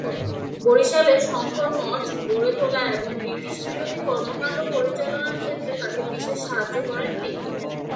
বরিশালে 'শঙ্কর মঠ' গড়ে তোলা এবং ব্রিটিশ-বিরোধী কর্মকাণ্ড পরিচালনার ক্ষেত্রে তাঁকে বিশেষ সাহায্য করেন তিনি।